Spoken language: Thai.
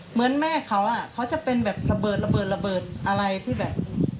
เหมือนแม่เขาเขาจะเป็นแบบระเบิดระเบิดอะไรที่แบบ